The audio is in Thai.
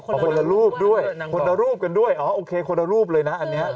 คนละรูปด้วยคนละรูปกันด้วยอ๋อโอเคคนละรูปเลยนะอันนี้